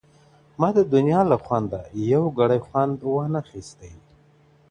ما د دنيا له خونده يو گړی خوند وانخيستی_